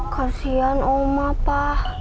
kasian oma pa